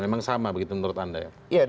memang sama begitu menurut anda ya